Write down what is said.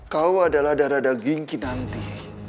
kau adalah darah daging kinanti